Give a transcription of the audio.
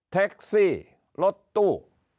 แท็กซี่รถตู้